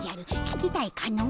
聞きたいかの？